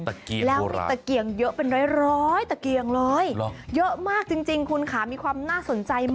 ตะเกียงเยอะหลอย